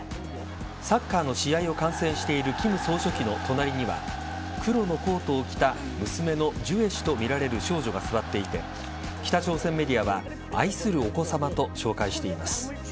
サッカーの試合を観戦している金総書記の隣には黒のコートを着た娘のジュエ氏とみられる少女が座っていて北朝鮮メディアは愛するお子さまと紹介しています。